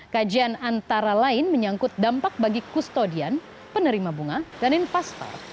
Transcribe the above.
kajian antara lain menyangkut dampak bagi kustodian penerima bunga dan investor